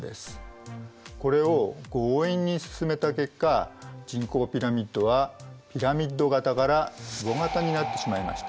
これを強引に進めた結果人口ピラミッドはピラミッド型からつぼ型になってしまいました。